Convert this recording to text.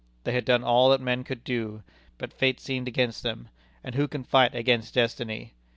They had done all that men could do. But fate seemed against them; and who can fight against destiny?